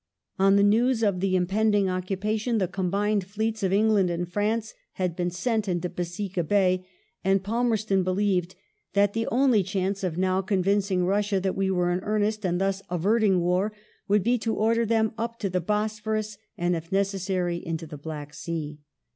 On the news of the impending occupation the combined fleets of England and France had been sent into Besika Bay, and Palmerston believed that the only chance of now convincing Russia that we were in earnest and thus averting war would be to order them up to the Bosphorus and if necessary into the Black Sea.